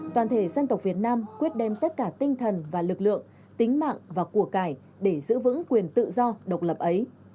toàn thể dân tộc việt nam quyết đem tất cả tinh thần và lực lượng tính mạng và của cải để giữ vững quyền tự do độc lập ấy